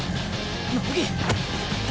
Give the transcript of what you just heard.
凪！